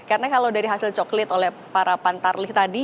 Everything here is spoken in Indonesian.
karena kalau dari hasil coklit oleh para pantarlih tadi